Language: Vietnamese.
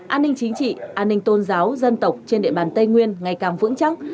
an ninh chính trị an ninh tôn giáo dân tộc trên địa bàn tây nguyên ngày càng vững chắc